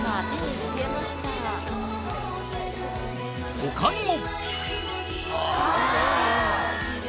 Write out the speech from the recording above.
［他にも］